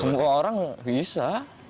semua orang bisa